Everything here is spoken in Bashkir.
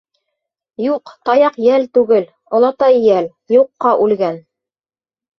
— Юҡ, таяҡ йәл түгел, олатай йәл, юҡҡа үлгән.